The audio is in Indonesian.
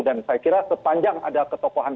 dan saya kira sepanjang ada ketokohan